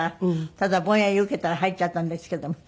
ただぼんやり受けたら入っちゃったんですけども。